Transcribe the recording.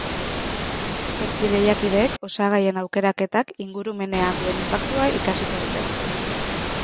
Zortzi lehiakideek osagaien aukeraketak ingurumenean duen inpaktua ikasiko dute.